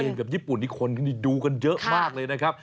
กับญี่ปุ่นนี่คนดูกันเยอะมากเลยนะครับ